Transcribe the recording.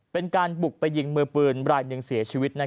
เป็นการบุกไปยิงมือปืนรายหนึ่งเสียชีวิต